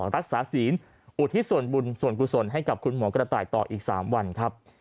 รักษาศีลอุทิศส่วนบุญส่วนกุศลให้กับคุณหมอกระต่ายต่ออีก๓วันครับ